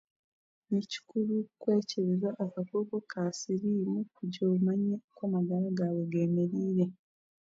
Ni kikuru kwekyebeza akakooko ka siriimu kugira omanye oku amagara gaawe geemereire.